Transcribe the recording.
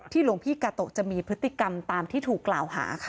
หลวงพี่กาโตะจะมีพฤติกรรมตามที่ถูกกล่าวหาค่ะ